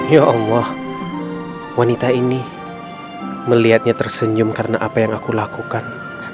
ya allah wanita ini melihatnya tersenyum karena apa yang aku lakukan